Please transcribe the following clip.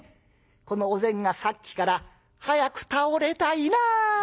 このお膳がさっきから「早く倒れたいな」。